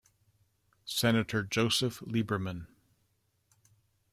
Senator Joseph Lieberman.